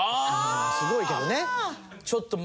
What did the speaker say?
すごいけどね。